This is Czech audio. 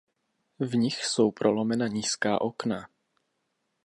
V nich jsou prolomena nízká okna.